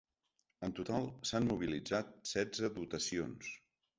En total s’han mobilitzat setze dotacions.